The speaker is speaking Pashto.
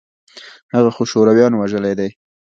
هغه خو شورويانو وژلى دى.